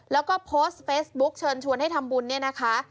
แล้วก็โพสต์เฟซบุ๊กเชิญชวนให้ทำบุญเนี่ยนะคะ